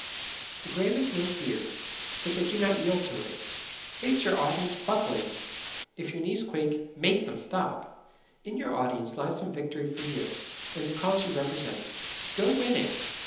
The bravest know fear, but they do not yield to it. Face your audience pluckily if your knees quake, MAKE them stop. In your audience lies some victory for you and the cause you represent. Go win it.